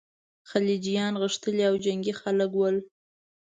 خلجیان غښتلي او جنګي خلک ول.